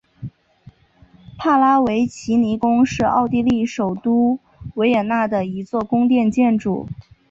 帕拉维奇尼宫是奥地利首都维也纳的一座宫殿建筑。